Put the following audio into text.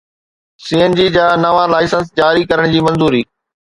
سي N G جا نوان licence جاري ڪرڻ جي منظوري